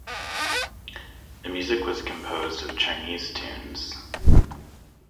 The music was composed of Chinese tunes.